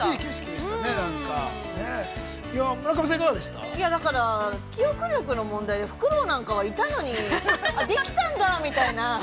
◆いや、だから記憶力の問題でふくろうなんかはいたのにあっ、できたんだみたいな。